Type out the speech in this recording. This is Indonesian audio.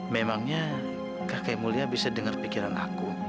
memangnya kakek mulia bisa dengar pikiran aku